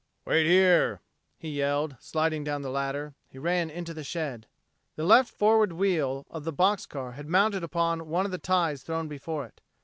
"Wait here," he yelled, sliding down the ladder. He ran into the shed. The left forward wheel of the box car had mounted upon one of the ties thrown before it.